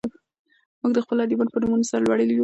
موږ د خپلو ادیبانو په نومونو سر لوړي یو.